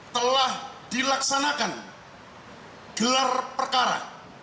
telah dilaksanakan gelar perkara